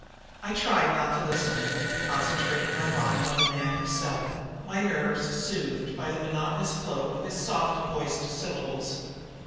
I tried not to listen, concentrating my mind on the man himself, my nerves soothed by the monotonous flow of his soft voiced syllables.